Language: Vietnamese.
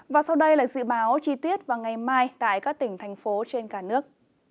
và sau đây là dự báo chi tiết vào ngày mai tại các tỉnh thành phố trên cả nước